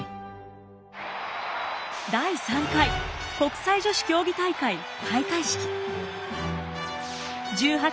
第３回国際女子競技大会開会式。